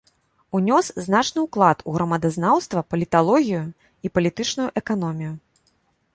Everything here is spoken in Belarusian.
Унёс значны ўклад у грамадазнаўства, паліталогію і палітычную эканомію.